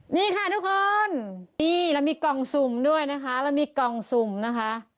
นี่ค่ะทุกคนนี่เรามีกล่องสุ่มด้วยนะคะเรามีกล่องสุ่มนะคะ